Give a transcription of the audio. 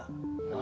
何？